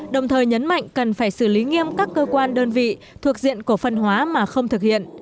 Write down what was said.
đồng thời nhấn mạnh cần phải xử lý nghiêm các cơ quan đơn vị thuộc diện cổ phân hóa mà không thực hiện